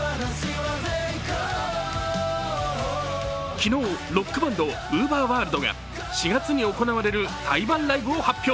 昨日、ロックバンド、ＵＶＥＲｗｏｒｌｄが４月に行われる対バンライブを発表